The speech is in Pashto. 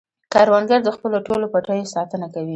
کروندګر د خپلو ټولو پټیو ساتنه کوي